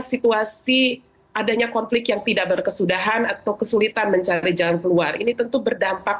situasi adanya konflik yang tidak berkesudahan atau kesulitan mencari jalan keluar ini tentu berdampak